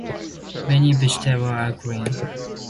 Many vegetables are green.